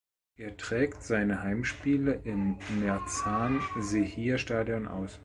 Er trägt seine Heimspiele im Merzan-Şehir-Stadion aus.